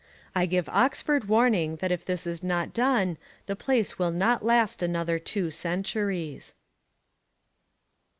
I give Oxford warning that if this is not done the place will not last another two centuries.